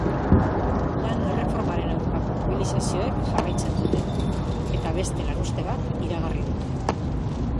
Lan-erreformaren aurkako mobilizazioek jarraitzen dute, eta beste lanuzte bat iragarri dute.